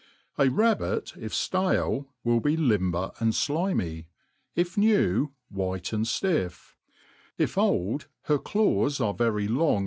A rabbit, if ftale, win be Ifanber and iliaiy ; if new, white and ftiffj if oM, her daws are very long.